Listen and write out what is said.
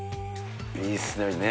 いいっすね。